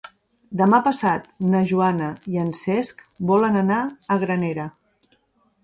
Demà passat na Joana i en Cesc volen anar a Granera.